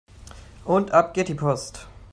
Und ab geht die Post!